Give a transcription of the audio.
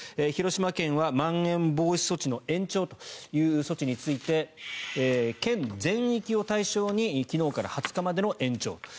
広島県はまん延防止措置の延長という措置について県全域を対象に昨日から２０日までの延長。